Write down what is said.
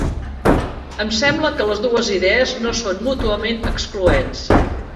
Em sembla que les dues idees no són mútuament excloents.